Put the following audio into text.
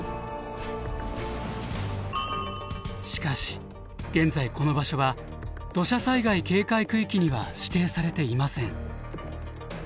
しかし現在この場所は土砂災害警戒区域には指定されていません。